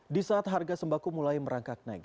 di saat harga sembako mulai merangkak naik